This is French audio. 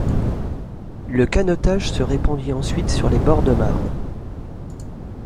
Le canotage se répandit ensuite sur les bords de Marne.